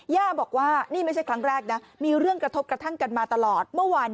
ย่าบอกว่านี่ไม่ใช่ครั้งแรกนะมีเรื่องกระทบกระทั่งกันมาตลอดเมื่อวาน